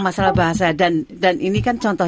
masalah bahasa dan ini kan contoh